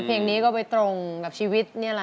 เพลงนี้ก็ตรงชีวิต